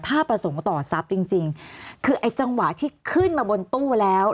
ถ้าประสงค์ต่อทรัพย์จริงจริงคือไอ้จังหวะที่ขึ้นมาบนตู้แล้ว